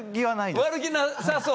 悪気なさそう。